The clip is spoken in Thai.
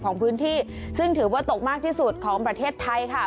ของพื้นที่ซึ่งถือว่าตกมากที่สุดของประเทศไทยค่ะ